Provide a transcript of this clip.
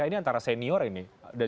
ini antara senior ini